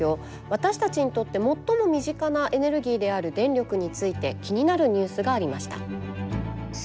私たちにとって最も身近なエネルギーである電力について気になるニュースがありました。